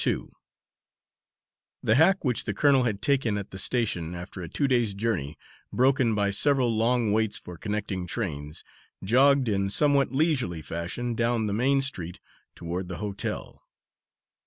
Two The hack which the colonel had taken at the station after a two days' journey, broken by several long waits for connecting trains, jogged in somewhat leisurely fashion down the main street toward the hotel.